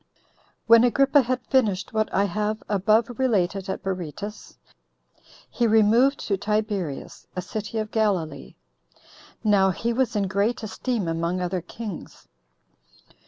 1. When Agrippa had finished what I have above related at Berytus, he removed to Tiberias, a city of Galilee. Now he was in great esteem among other kings.